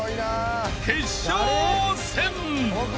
［決勝戦］